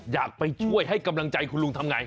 อยากไปช่วยให้กำลังใจคุณลุงทำไง